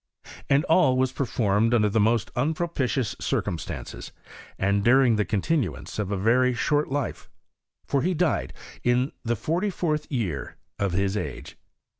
* And all was performed under the most unpropilious circumstances, and during the continuance of a very ' short life, for he died in the 44th year of his age.